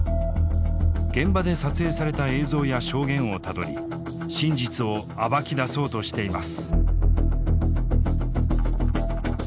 現場で撮影された映像や証言をたどり真実を暴き出そうとしています。